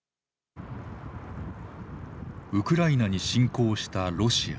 ウクライナに侵攻したロシア。